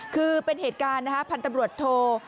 คือเป็นเหตุการณ์นะฮะพันธุ์ตำรวจโท